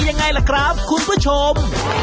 ยังไงล่ะครับคุณผู้ชม